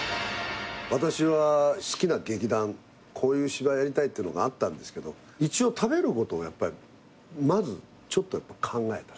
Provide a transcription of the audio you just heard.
私は好きな劇団こういう芝居やりたいっていうのがあったんですけど一応食べることをやっぱりまずちょっと考えた。